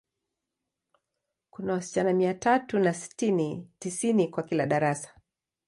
Kuna wasichana mia tatu na sitini, tisini kwa kila darasa.